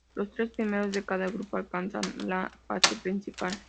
Los tres primeros de cada grupo alcanzan la fase principal.